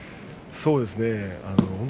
そうですね